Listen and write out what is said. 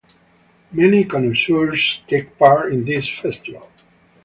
Many connoisseurs take part in this festival.